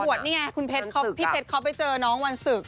วันสึกนี้พี่เพชรเขาไปเจอน้องวันสึก